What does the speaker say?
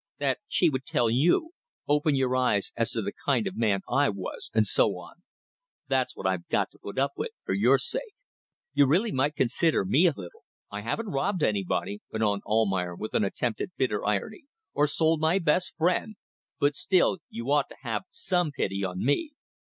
That she would tell you open your eyes as to the kind of man I was, and so on. That's what I've got to put up with for your sake. You really might consider me a little. I haven't robbed anybody," went on Almayer, with an attempt at bitter irony "or sold my best friend, but still you ought to have some pity on me.